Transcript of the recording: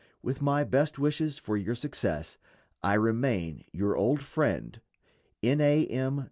With my best wishes for your success, I remain, your old friend, N. A. M.